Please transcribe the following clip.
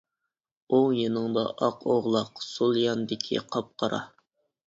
ئوڭ يېنىڭدا ئاق ئوغلاق، سول ياندىكى قاپقارا.